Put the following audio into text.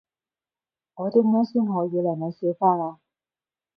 我點樣先可以令你笑返呀？